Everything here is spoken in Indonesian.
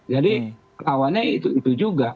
jadi lawannya itu juga